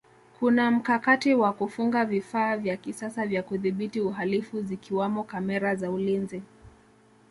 kuna mkakati wa kufunga vifaa vya kisasa vya kudhibiti uhalifu zikiwamo kamera za ulinzi